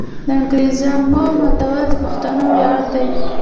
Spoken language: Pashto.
د انګریزامو ماتول د پښتنو ویاړ دی.